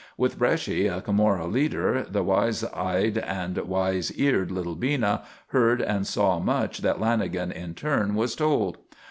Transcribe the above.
With Bresci a Camorra leader, the wise eyed and wise eared little Bina heard and saw much that Lanagan in turn was told.